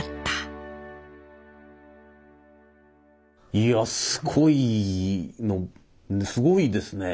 いやすごいすごいですね。